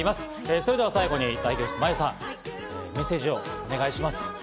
それでは最後に代表して、ＭＡＹＵさん、メッセージをお願いします。